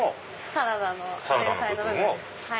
サラダの前菜の部分です。